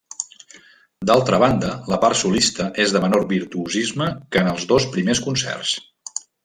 D'altra banda, la part solista és de menor virtuosisme que en els dos primers concerts.